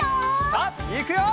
さあいくよ！